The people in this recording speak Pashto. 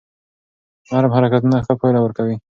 نرم حرکتونه ښه پایله ورکوي.